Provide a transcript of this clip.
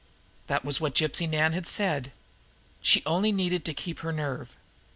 That was what Gypsy Nan had said. She only needed to keep her nerve.